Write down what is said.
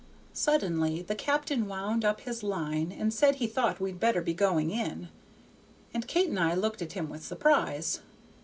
Suddenly the captain wound up his line and said he thought we'd better be going in, and Kate and I looked at him with surprise.